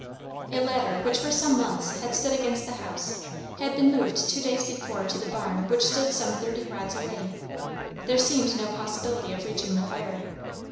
A ladder, which, for some months, had stood against the house, had been moved two days before to the barn which stood some thirty rods away; there seemed no possibility of reaching the fire.